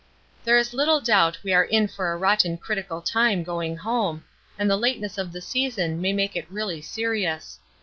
There is little doubt we are in for a rotten critical time going home, and the lateness of the season may make it really serious.